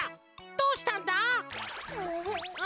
どうしたんだ。